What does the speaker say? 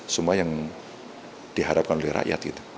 semua yang diharapkan oleh rakyat